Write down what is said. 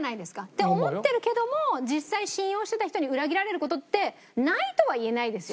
って思ってるけども実際信用してた人に裏切られる事ってないとは言えないですよね。